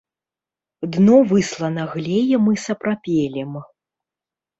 Дно выслана глеем і сапрапелем.